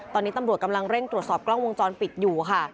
ตอนนี้ตำรวจกำลังเร่งตรวจสอบกล้องวงจรปิดอยู่ค่ะ